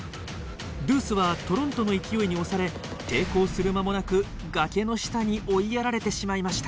ドゥースはトロントの勢いに押され抵抗する間もなく崖の下に追いやられてしまいました。